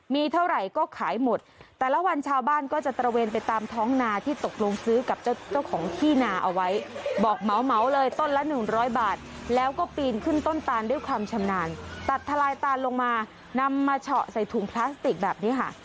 มีเท่าไหร่ก็ขายหมดแต่ละวันชาวบ้านก็จะตระเวนไปตามท้องนาที่ตกลงซื้อกับเจ้าของที่นาเอาไว้บอกเหมาเลยต้นละหนึ่งร้อยบาทแล้วก็ปีนขึ้นต้นตานด้วยความชำนาญตัดทลายตานลงมานำมาเฉาะใส่ถุงพลาสติกแบบนี้ค่ะ